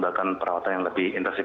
bahkan perawatan yang lebih intensif